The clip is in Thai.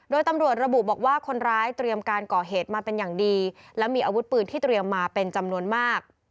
โดยตำรวจระบุบอกว่าคนร้ายเตรียมการก่อเหตุมาเป็นอย่างดีและมีอาวุธปืนที่เตรียมมาเป็นจำนวนมาก